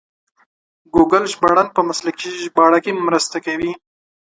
ګوګل ژباړن په مسلکي ژباړه کې مرسته کوي.